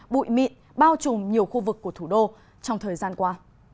bụi mịn bao trùm nhiều khu vực của thủ đô trong thời gian qua